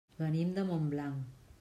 Venim de Montblanc.